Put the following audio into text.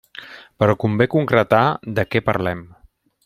Però convé concretar de què parlem.